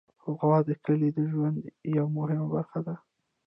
غوا د کلي د ژوند یوه مهمه برخه ده.